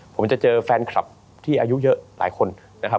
ผมจะเจอแฟนคลับที่อายุเยอะหลายคนนะครับ